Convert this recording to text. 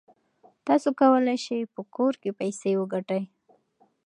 تاسو کولای شئ په کور کې پیسې وګټئ.